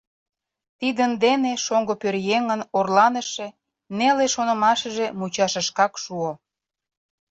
Тидын дене шоҥго пӧръеҥын орланыше, неле шонымашыже мучашышкак шуо.